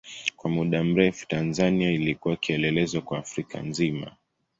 Kwa muda mrefu Tanzania ilikuwa kielelezo kwa Afrika nzima.